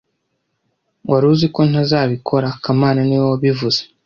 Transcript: Wari uziko ntazabikora kamana niwe wabivuze